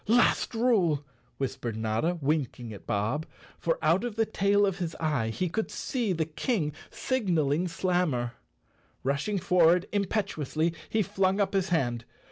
"Last rule," whispered Notta, winking at Bob—for out of the tail of his eye, he could see the King signal¬ ing Slammer. Rushing forward impetuously he flung up his hand.